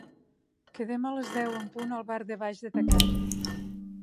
Quedem a les deu en punt al bar de baix de ta casa.